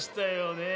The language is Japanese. ねえ。